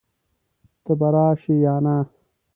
ته به راشې يا نه؟